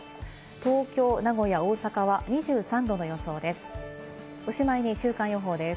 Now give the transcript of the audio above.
東京、名古屋、大阪は２３度の予想です。